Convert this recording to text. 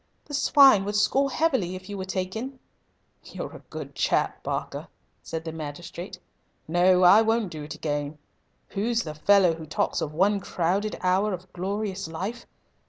"The swine would score heavily if you were taken." "You're a good chap, Barker," said the magistrate. "No, I won't do it again. Who's the fellow who talks of 'one crowded hour of glorious life'?